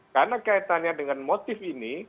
karena kaitannya dengan motif ini